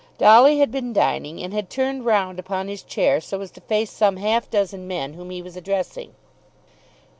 Dolly had been dining, and had turned round upon his chair so as to face some half dozen men whom he was addressing.